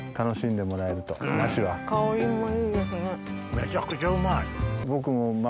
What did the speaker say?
めちゃくちゃうまい。